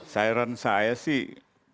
siren saya sih